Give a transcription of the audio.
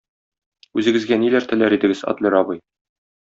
Үзегезгә ниләр теләр идегез, Адлер абый?